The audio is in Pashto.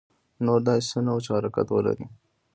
نور داسې څه نه وو چې حرکت ولري.